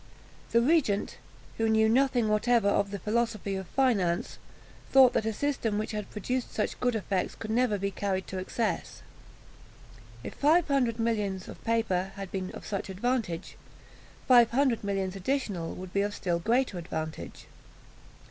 The regent, who knew nothing whatever of the philosophy of finance, thought that a system which had produced such good effects could never be carried to excess. If five hundred millions of paper had been of such advantage, five hundred millions additional would be of still greater advantage.